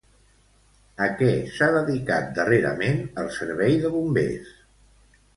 A què s'ha dedicat darrerament el servei de bombers?